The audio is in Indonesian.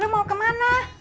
lo mau kemana